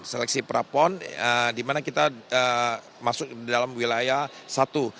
seleksi prapon dimana kita masuk dalam wilayah satu